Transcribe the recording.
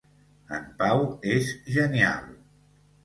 En Pau és genial.